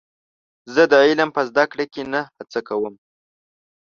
زه د علم په زده کړه کې نه هڅه کوم.